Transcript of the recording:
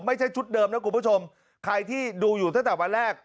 ชุดเดิมนะคุณผู้ชมใครที่ดูอยู่ตั้งแต่วันแรก